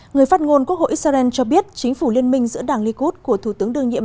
người phát ngôn quốc hội israel cho biết chính phủ liên minh giữa đảng likud của thủ tướng đương nhiệm